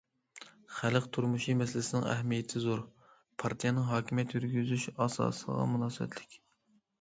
خەلق تۇرمۇشى مەسىلىسىنىڭ ئەھمىيىتى زور، پارتىيەنىڭ ھاكىمىيەت يۈرگۈزۈش ئاساسىغا مۇناسىۋەتلىك.